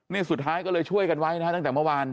นี่สุดท้ายก็เลยช่วยกันไว้นะฮะตั้งแต่เมื่อวาน